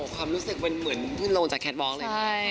ความรู้สึกเหมือนขึ้นลงจากแคทบองค์เลยค่ะ